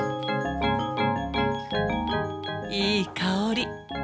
いい香り。